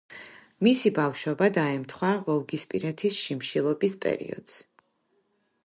მისი ბავშვობა დაემთხვა ვოლგისპირეთის შიმშილობის პერიოდს.